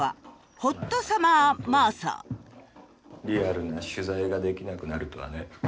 リアルな取材ができなくなるとはね。